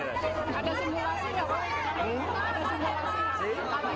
tidak ada simulasi